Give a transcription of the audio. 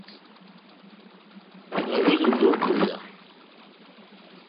Nà hwélì ndí ɡbèyà.